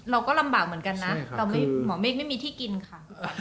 เราก็ลำบากเหมือนกันนะหมอเมฆไม่มีที่กินค่ะ